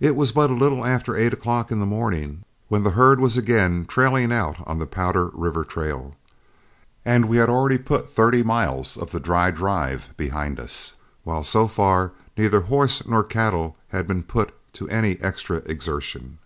It was but a little after eight o'clock in the morning when the herd was again trailing out on the Powder River trail, and we had already put over thirty miles of the dry drive behind us, while so far neither horses nor cattle had been put to any extra exertion.